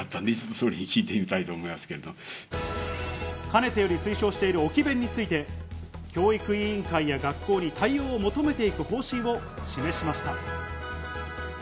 かねてより推奨している置き勉について、教育委員会や学校に対応を求めていく方針を示しました。